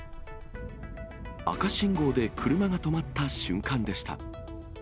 赤信号で車が止まった瞬間でした。